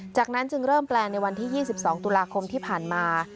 จากนั้นจึงเริ่มแปลในวันที่๒๒ตุลาคมที่ผ่านมา